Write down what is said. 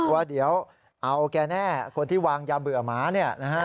ว่าเดี๋ยวเอาแกแน่คนที่วางยาเบื่อหมาเนี่ยนะฮะ